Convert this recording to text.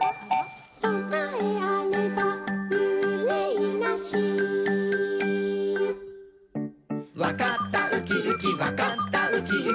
「そなえあればうれいなし」「わかったウキウキわかったウキウキ」